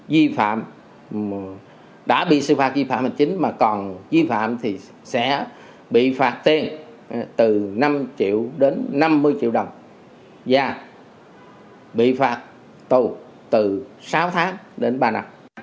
duy phạm đã bị xử phạt duy phạm mà chính mà còn duy phạm thì sẽ bị phạt tiền từ năm triệu đến năm mươi triệu đồng và bị phạt tù từ sáu tháng đến ba năm